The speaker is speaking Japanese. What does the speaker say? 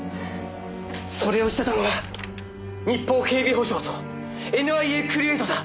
それをしてたのが日邦警備保障とＮＩＡクリエイトだ。